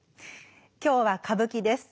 今日は歌舞伎です。